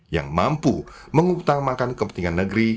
yang mampu mengutamakan kepentingan negeri